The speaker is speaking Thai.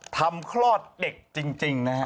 ทำคลอดเด็กจริงนะครับ